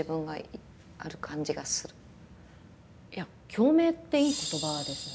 「共鳴」っていい言葉ですね。